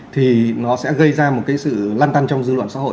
thì nó sẽ gây ra một cái sự lan tăn trong dư luận xã hội